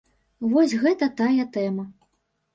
Вось гэта тая тэма.